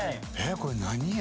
これ何屋？